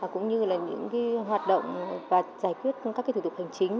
cũng như là những hoạt động và giải quyết các thủ tướng